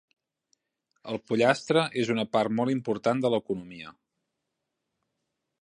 El pollastre és una part molt important de l'economia.